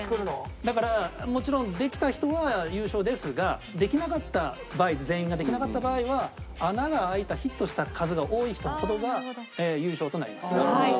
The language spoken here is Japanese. だからもちろんできた人は優勝ですができなかった場合全員ができなかった場合は穴が開いたヒットした数が多い人ほどが優勝となります。